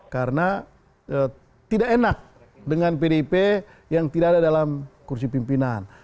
karena tidak enak dengan pdp yang tidak ada dalam kursi pimpinan